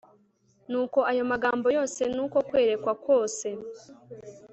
Nuko ayo magambo yose n uko kwerekwa kose